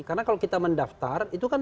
karena kalau kita mendaftar itu kan